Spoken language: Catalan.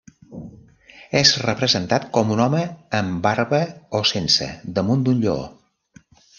És representat com un home amb barba o sense, damunt d'un lleó.